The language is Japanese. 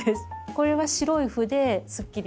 これは白い斑ですっきり。